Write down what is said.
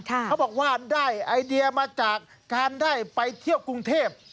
เขาบอกว่าได้ไอเดียมาจากการได้ไปเที่ยวกรุงเทพ